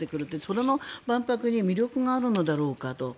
それの万博に魅力があるのだろうかと。